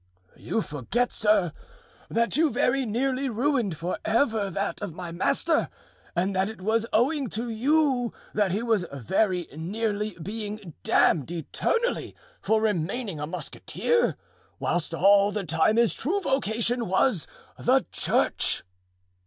"You forget, sir, that you very nearly ruined forever that of my master; and that it was owing to you that he was very nearly being damned eternally for remaining a musketeer, whilst all the time his true vocation was the church."